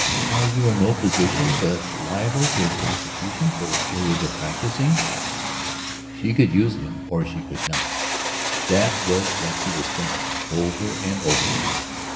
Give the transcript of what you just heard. How you are no physician but liable to prosecution for illegal practising?" Could she use him or could she not? That was what she was thinking, over and over.